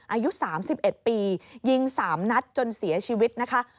อายุ๓๑ปียิง๓นัดจนเสียชีวิตนะคะ